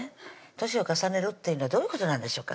年を重ねるっていうのはどういうことなんでしょうか？